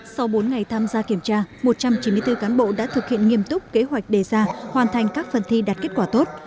sau bốn ngày tham gia kiểm tra một trăm chín mươi bốn cán bộ đã thực hiện nghiêm túc kế hoạch đề ra hoàn thành các phần thi đạt kết quả tốt